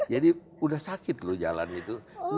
jadi udah sakit loh jalan itu